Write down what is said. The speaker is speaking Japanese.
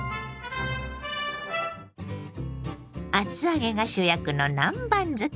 厚揚げが主役の南蛮漬け。